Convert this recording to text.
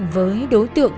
với đối tượng